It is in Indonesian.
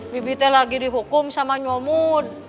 bibi teh lagi dihukum sama nyomot